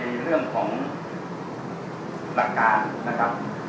ในเรื่องของหลักการ